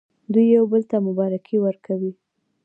دوی یو بل ته مبارکي ورکوي.